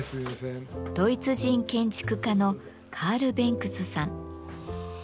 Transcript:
ドイツ人建築家のカール・ベンクスさん。